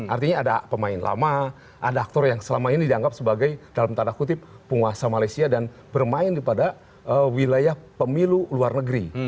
artinya ada pemain lama ada aktor yang selama ini dianggap sebagai dalam tanda kutip penguasa malaysia dan bermain di pada wilayah pemilu luar negeri